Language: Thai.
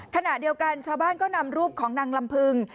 ขณะเดียวกันชาวบ้านก็นำรูปของนางลำพึง